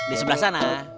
di sebelah sana